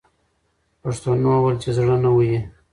پښتنو وویل چې زړه نه وهي.